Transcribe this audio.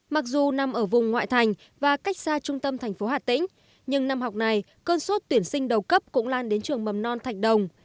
mặc dù nằm ở vùng ngoại thành và cách xa trung tâm thành phố hà tĩnh nhưng năm học này cơn suốt tuyển sinh đầu cấp cũng lan đến trường mầm non thạch đồng